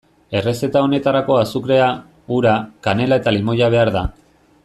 Errezeta honetarako azukrea, ura, kanela eta limoia behar da.